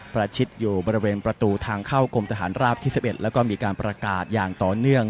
ประชิดอยู่บริเวณประตูทางเข้ากรมทหารราบที่๑๑แล้วก็มีการประกาศอย่างต่อเนื่อง